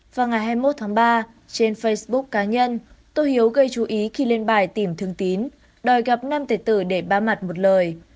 vào ngày hai mươi một tháng ba trên facebook cá nhân tô hiếu gây chú ý khi lên bài tìm thương tín đòi gặp nam tề tử để ba mặt một lời